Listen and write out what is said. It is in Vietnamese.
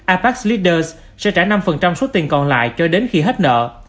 apec leader sẽ trả năm suất tiền còn lại cho đến khi hết nợ